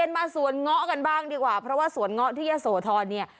มาสวนเงาะกันบ้างดีกว่าเพราะว่าสวนเงาะที่ยะโสธรเนี่ย